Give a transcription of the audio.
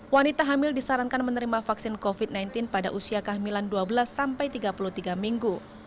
wanita hamil disarankan menerima vaksin covid sembilan belas pada usia kehamilan dua belas sampai tiga puluh tiga minggu